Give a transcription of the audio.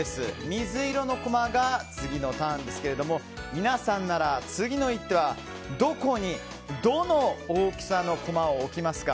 水色のコマが次のターンですが皆さんなら次の１手はどこに、どの大きさのコマを置きますか？